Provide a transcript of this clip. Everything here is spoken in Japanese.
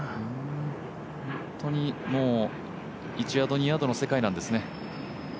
本当に１ヤード２ヤードの世界なんですね。